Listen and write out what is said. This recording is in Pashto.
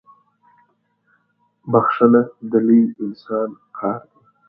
بخښنه د لوی انسان کار دی.